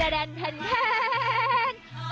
เจ้าแจ๊ะริมจอ